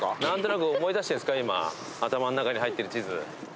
何となく思い出してるんですか今頭の中に入ってる地図。